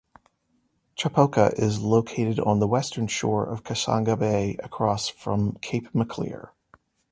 Chipoka is located on the western shore of Kasangha Bay across from Cape Maclear.